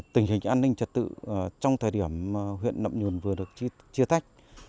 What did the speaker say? tình hình an ninh trật tự trong thời điểm huyện nậm nhùn vừa được chia tách